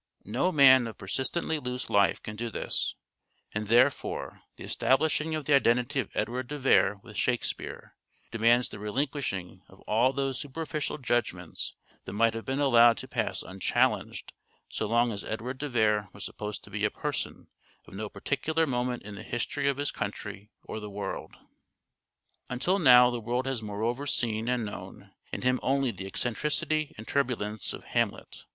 No man of persistently loose life can do this ; and, therefore, the establishing of the identity of Edward de Vere with " Shakespeare " demands the relinquish ing of all those superficial judgments that might have been allowed to pass unchallenged so long as Edward de Vere was supposed to be a person of no particular moment in the history of his country or the world. Until now the world has moreover seen and known in him only the eccentricity and turbulence of Hamlet.